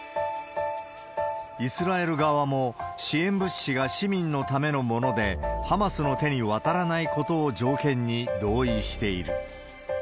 イスラエル側も、支援物資が市民のためのもので、ハマスの手に渡らないことを条件に同意している。